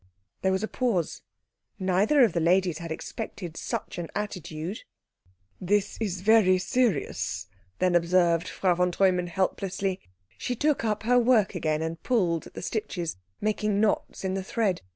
There was a pause. Neither of the ladies had expected such an attitude. "This is very serious," then observed Frau von Treumann helplessly. She took up her work again and pulled at the stitches, making knots in the thread.